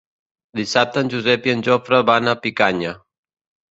Dissabte en Josep i en Jofre van a Picanya.